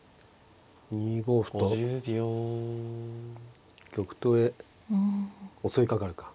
２五歩と玉頭へ襲いかかるか。